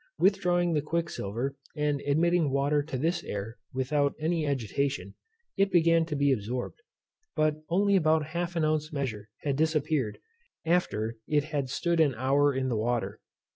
Withdrawing the quicksilver, and admitting water to this air, without any agitation, it began to be absorbed; but only about half an ounce measure had disappeared after it had stood an hour in the water.